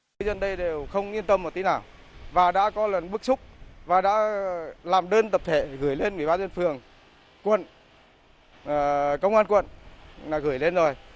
người dân đây đều không yên tâm một tí nào và đã có lần bức xúc và đã làm đơn tập thể gửi lên ủy ban dân phường quận công an quận là gửi lên rồi